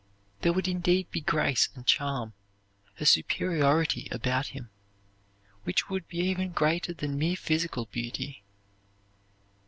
There would indeed be grace and charm, a superiority about him, which would be even greater than mere physical beauty.